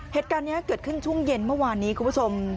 เหตุการณ์นี้เกิดขึ้นช่วงเย็นเมื่อวานนี้คุณผู้ชม